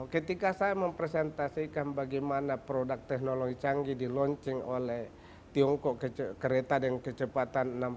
ketika saya mempresentasikan bagaimana produk teknologi canggih di launching oleh tiongkok kereta dan keselamatan